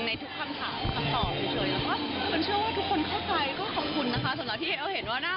อะไรอย่างนี้แรกหรอคะ